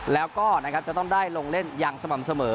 แล้วก็จะต้องได้ลงเล่นอย่างสม่ำเสมอ